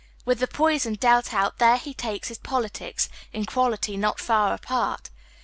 With the poison dealt out there he takes his politics, in quality not far apart.